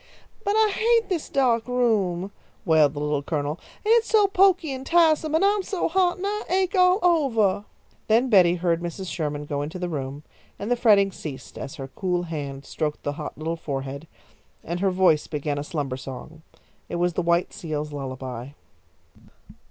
"But I hate this dahk room," wailed the Little Colonel, "and it's so poky and tiahsome, and I am so hot and I ache all ovah " Then Betty heard Mrs. Sherman go into the room, and the fretting ceased as her cool hand stroked the hot little forehead, and her voice began a slumber song. It was the "White Seal's Lullaby."